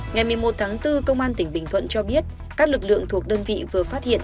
ngày một mươi một tháng bốn công an tỉnh bình thuận cho biết các lực lượng thuộc đơn vị vừa phát hiện